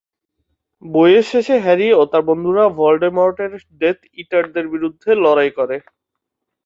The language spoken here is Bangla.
বইয়ের শেষে হ্যারি ও তার বন্ধুরা ভলডেমর্টের ডেথ ইটারদের বিরুদ্ধে লড়াই করে।